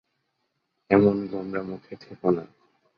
এমন গোমরা মুখে থেকো না।